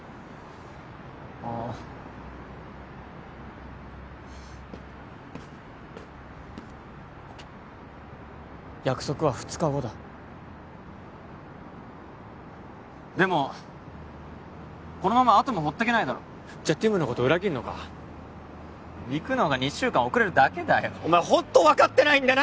ああ約束は２日後だでもこのままアトム放っていけないだろじゃティムのこと裏切るのか行くのが２週間遅れるだけだよお前ホント分かってないんだな